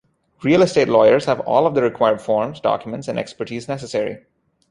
Real estate lawyers have all of the required forms, documents and expertise necessary.